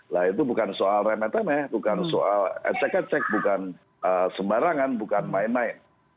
nah itu bukan soal remeh temeh bukan soal ecek ecek bukan sembarangan bukan main main